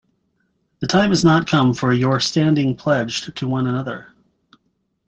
The time is not come for your standing pledged to one another.